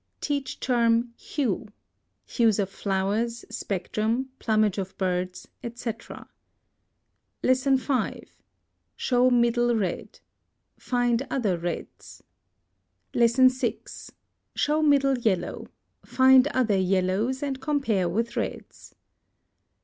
Teach term HUE. Hues of flowers, spectrum, plumage of birds, etc. 5. Show MIDDLE RED. Find other reds. 6. Show MIDDLE YELLOW. Find other yellows, and compare with reds.